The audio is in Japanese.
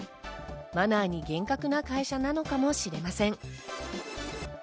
マナーに厳格な会社なのかもしれません。